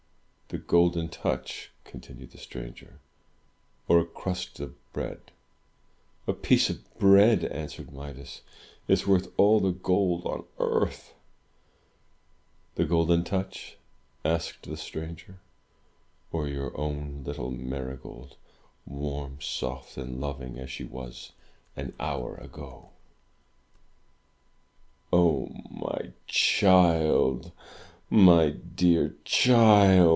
"The Golden Touch," continued the stranger, "or a crust of bread?" "A piece of bread," answered Midas, "is worth all the gold on earth!" "The Golden Touch," asked the stranger, "or your own little Marygold, warm, soft, and loving as she was an hour ago?" 286 THROUGH FAIRY HALLS "O my child, my dear child!'